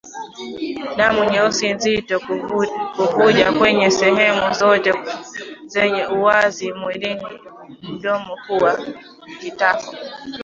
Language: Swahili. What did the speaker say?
Damu nyeusi nzito kuvuja kwenye sehemu zote zenye uwazi mwilini mdomo pua kitako